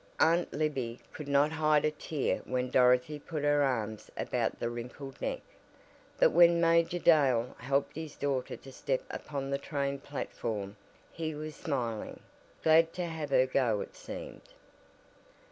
Aunt Libby could not hide a tear when Dorothy put her arms about the wrinkled neck, but when Major Dale helped his daughter to step upon the train platform he was smiling; glad to have her go it seemed.